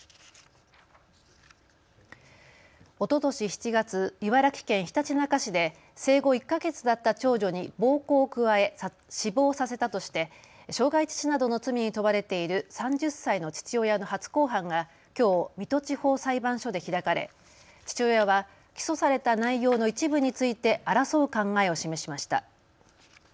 おととし７月、茨城県ひたちなか市で生後１か月だった長女に暴行を加え死亡させたとして傷害致死などの罪に問われている３０歳の父親の初公判がきょう水戸地方裁判所で開かれ父親は起訴された内容の一部について争う考えを示しました。